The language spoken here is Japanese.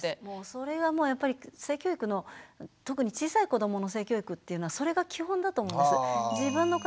それはもうやっぱり性教育の特に小さい子どもの性教育っていうのはそれが基本だと思います。